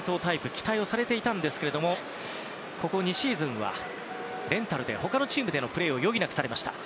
期待をされていたんですけれどもここ２シーズン、レンタルで他のチームでのプレーを余儀なくされました。